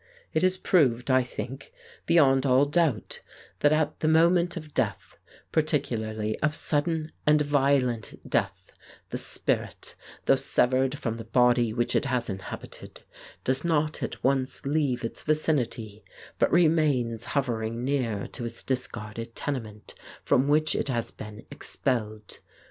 It is proved, I think, beyond all doubt, that at the moment of death, particularly of sudden and vio lent death, the spirit, though severed from the body which it has inhabited, does not at once leave its vicinity, but remains hovering near to its discarded tenement, from which it has been expelled.